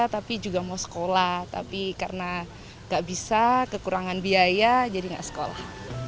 tapi juga mau sekolah tapi karena nggak bisa kekurangan biaya jadi nggak sekolah